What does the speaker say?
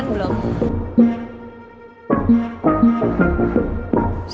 masih belum ada yang riset